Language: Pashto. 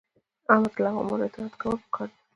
د آمر له اوامرو اطاعت کول پکار دي.